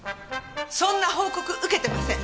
そんな報告受けてません。